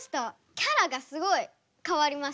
キャラがすごい変わりました。